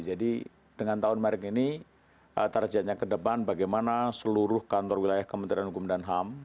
jadi dengan tahun merek ini tarjetnya ke depan bagaimana seluruh kantor wilayah kementerian hukum dan ham